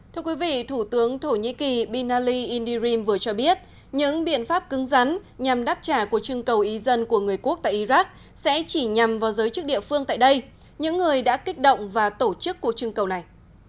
thưa quý vị thủ tướng thổ nhĩ kỳ binali indirim vừa cho biết những biện pháp cứng rắn nhằm đáp trả cuộc trưng cầu ý dân của người quốc tại iraq sẽ chỉ nhằm vào giới chức địa phương tại đây những người đã kích động và tổ chức cuộc trưng cầu này